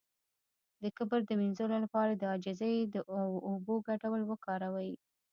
د کبر د مینځلو لپاره د عاجزۍ او اوبو ګډول وکاروئ